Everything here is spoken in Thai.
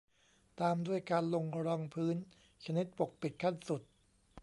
ตามด้วยการลงรองพื้นชนิดปกปิดขั้นสุด